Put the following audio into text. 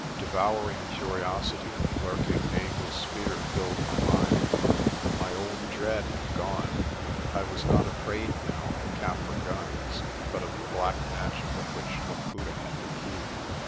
Devouring curiosity and a lurking nameless fear filled my mind. My old dread had gone. I was not afraid now of Kaffir guns, but of the black magic of which Laputa had the key.